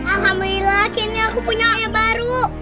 alhamdulillah kayaknya aku punya ayah baru